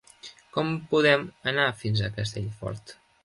Com podem anar fins a Castellfort?